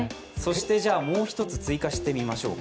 もう一つ追加してみましょうか。